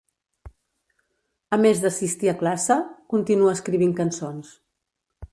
A més d'assistir a classe, continua escrivint cançons.